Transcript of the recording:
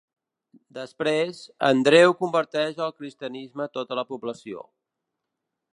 Després, Andreu converteix al cristianisme tota la població.